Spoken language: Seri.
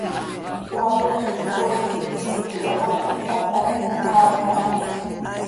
Cmaacoj ziix is cooil quih quiic quih cöhapoozcam, pac hasitalhaajö aha.